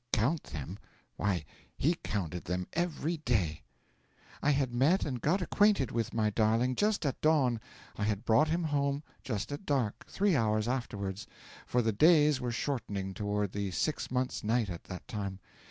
Count them? Why, he counted them every day! 'I had met and got acquainted with my darling just at dawn; I had brought him home just at dark, three hours afterwards for the days were shortening toward the six months' night at that time.